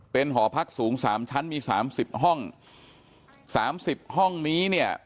เป็นหอพักสูง๓ชั้นมี๓๐ห้อง๓๐ห้องนี้เนี่ย